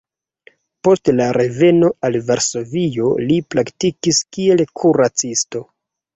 Post la reveno al Varsovio li praktikis kiel kuracisto.